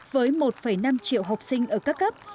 với một năm triệu học sinh ở các cấp